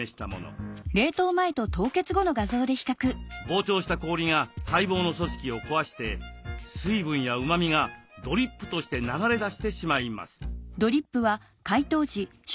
膨張した氷が細胞の組織を壊して水分やうまみがドリップとして流れ出してしまいます。